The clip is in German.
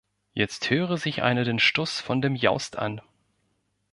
Jetzt höre sich einer den Stuss von dem Jaust an.